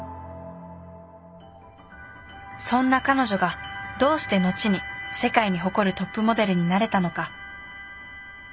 そんな彼女がどうして後に世界に誇るトップモデルになれたのか？